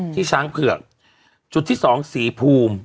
ช้างเผือกจุดที่สองสีภูมิ